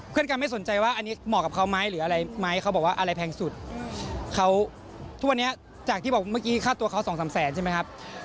คุณคุณมาดูถึงฟื้นของของของธรรมแซนใช่ไหมครับ